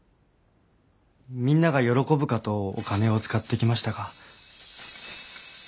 みんなが喜ぶかとお金を使ってきましたが。